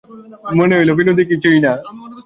মনে হইল, বিনোদিনী কিছুই না।